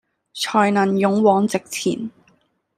才能勇往直前